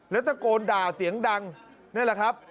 แล้วจักรด่าเสียงดังนี่ล่ะครับ